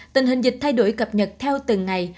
tình hình dịch thay đổi cập nhật theo từng ngày